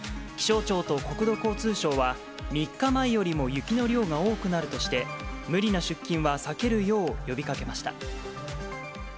気象庁と国土交通省は、３日前よりも雪の量が多くなるとして、無理な出勤は避けるよう呼びかけました。